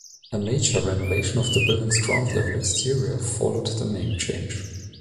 A major renovation of the building's ground-level exterior followed the name change.